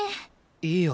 いいよ